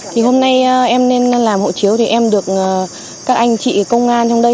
thì hôm nay em nên làm hộ chiếu thì em được các anh chị công an trong đây